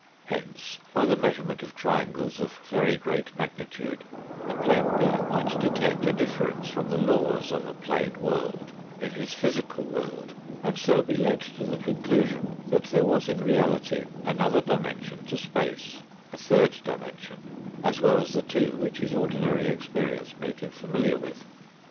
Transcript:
Hence by the measurement of triangles of very great magnitude a plane being might detect a difference from the laws of a plane world in his physical world, and so be led to the conclusion that there was in reality another dimension to space a third dimension as well as the two which his ordinary experi ence made him familiar with.